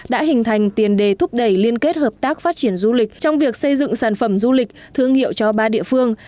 đã hình thành tiền đề thúc đẩy liên kết hợp tác phát triển du lịch trong việc xây dựng sản phẩm du lịch thương hiệu cho ba địa phương